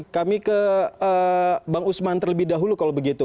kami ke bang usman terlebih dahulu kalau begitu